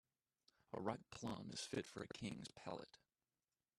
A ripe plum is fit for a king's palate.